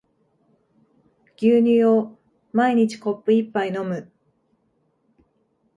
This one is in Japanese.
牛乳を毎日コップ一杯飲む